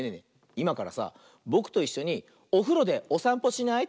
いまからさぼくといっしょにおふろでおさんぽしない？